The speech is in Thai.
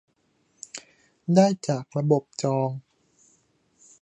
ได้จากระบบจอง